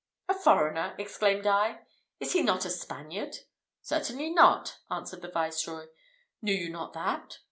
"A foreigner!" exclaimed I: "is he not a Spaniard?" "Certainly not," answered the Viceroy; "knew you not that?